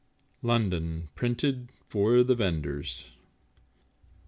London: Printed for the Vendors.